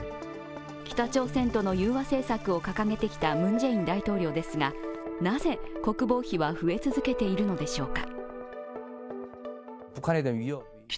北朝鮮との融和政策を掲げてきたムン・ジェイン大統領ですが、なぜ国防費は増え続けているのでしょうか。